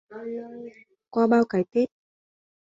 Qua bao cái Tết